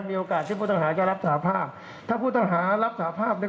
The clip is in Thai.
มีโอกาสที่ผู้ต้องหาจะรับสาภาพถ้าผู้ต้องหารับสาภาพเนี่ย